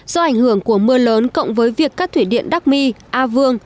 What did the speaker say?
do ảnh hưởng của mưa lớn cộng với việc các thủy điện đắc my a vương